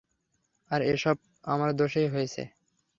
আর এ সব আমার দোষেই হয়েছে।